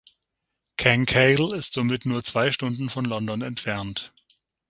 Cancale ist somit nur zwei Stunden von London entfernt.